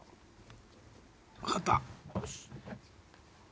分かった！